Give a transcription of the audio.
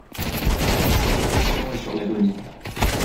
Cette pression est sur l’agonie.